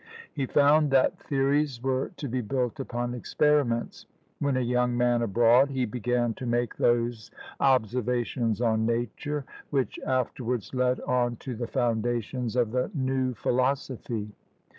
He found that theories were to be built upon experiments. When a young man, abroad, he began to make those observations on nature, which afterwards led on to the foundations of the new philosophy.